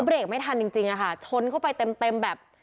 เบรกไม่ทันจริงจริงอะค่ะชนเข้าไปเต็มเต็มแบบ